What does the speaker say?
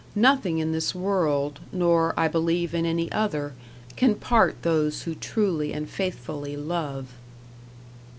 Nothing in this world, nor, I believe, in any other, can part those who truly and faithfully love."